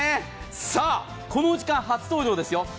さぁ、この時間初登場ですよ